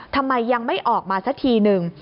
ทำไมยังไม่ออกมาสักทีหนึ่ง